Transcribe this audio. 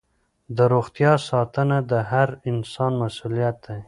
د روغتیا ساتنه د هر انسان مسؤلیت دی.